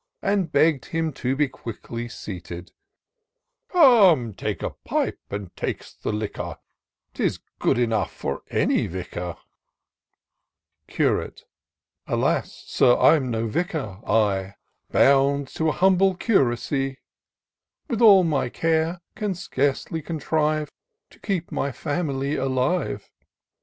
And begg d him to be quickly seated ; TOUR OF DOCTOR SYNTAX " Come, take a pipe, and taste the liquor, 'Tis good enough for any vicar." Curate. " Alas ! Sir, I'm no vicar ;— I, Bound to an humble curacy. With all my care can scarce contrive To keep my family alive.